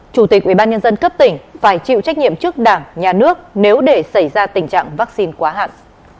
chủ tịch ubnd cấp tỉnh phải chịu trách nhiệm trước đảng nhà nước nếu để xảy ra tình trạng vaccine quá hạn